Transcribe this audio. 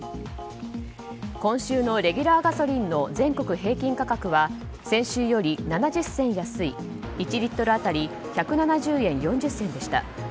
今週のレギュラーガソリンの全国平均価格は先週より７０銭安い１リットル当たり１７０円４０銭でした。